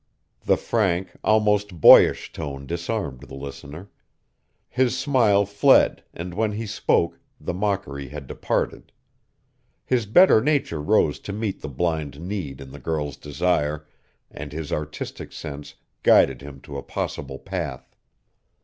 The frank, almost boyish tone disarmed the listener. His smile fled and when he spoke the mockery had departed. His better nature rose to meet the blind need in the girl's desire, and his artistic sense guided him to a possible path.